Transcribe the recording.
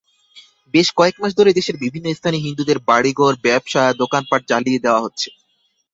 বেশ কয়েক মাস ধরে দেশের বিভিন্ন স্থানে হিন্দুদের বাড়িঘর, ব্যবসা-দোকানপাট জ্বালিয়ে দেওয়া হচ্ছে।